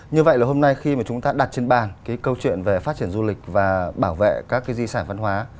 như vậy là hôm nay khi mà chúng ta đặt trên bàn cái câu chuyện về phát triển du lịch và bảo vệ các cái di sản văn hóa